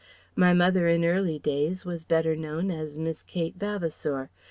My mother in early days was better known as Miss Kate Vavasour.